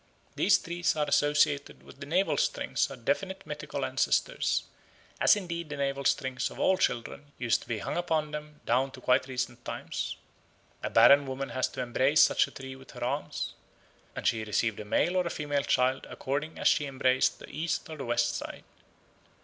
These trees are associated with the navel strings of definite mythical ancestors, as indeed the navel strings of all children used to be hung upon them down to quite recent times. A barren woman had to embrace such a tree with her arms, and she received a male or a female child according as she embraced the east or the west side."